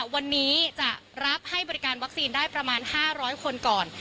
วันนี้จะรับให้บริการวัคซีนได้ประมาณ๕๐๐คนก่อน